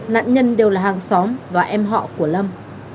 nạn nhân đều là hàng xóm và em họ của lâm